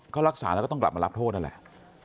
ก็รักษาแล้วก็ต้องกลับมารับโทษนั่นแหละ